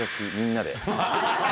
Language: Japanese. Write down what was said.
みんなで。